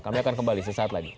kami akan kembali sesaat lagi